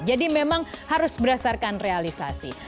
jadi memang harus berdasarkan realisasi